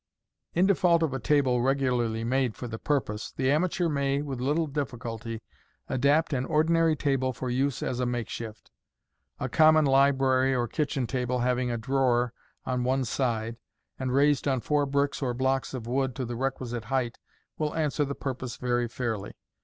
In default of a table regularly made for the purpose, the amateur may with little difficulty adapt an ordinary table for use as a make shift A common library or kitchen table having a drawer on *me side, and raised on four bricks or blocks of wood to the requisite height will answer the purpose very fairly.